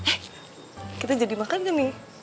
eh kita jadi makan kan nih